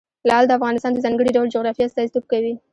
لعل د افغانستان د ځانګړي ډول جغرافیه استازیتوب کوي.